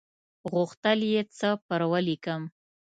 غوښتل یې څه پر ولیکم.